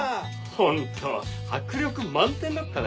ホント迫力満点だったね。